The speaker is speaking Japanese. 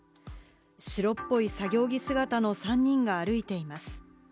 白っぽい作業着姿の３人が歩いています。